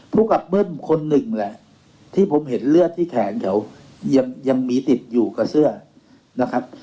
ภูมิกับเบิ้มคนหนึ่งแหละที่ผมเห็นเลือดที่แขนเขายังมีติดอยู่กับเสื้อนะครับ